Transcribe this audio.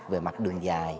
về mặt đường dài